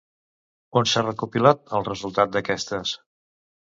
On s'ha recopilat el resultat d'aquestes?